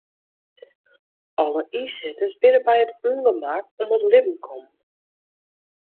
Alle ynsitters binne by it ûngemak om it libben kommen.